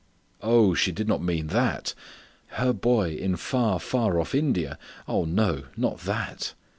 Oh! she did not mean that! Her boy in far, far off India! Oh, no! Not that!!